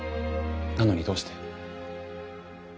なのにどうして。